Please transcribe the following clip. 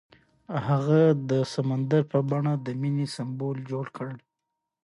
هغه د سمندر په بڼه د مینې سمبول جوړ کړ.